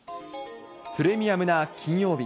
プレミアムな金曜日。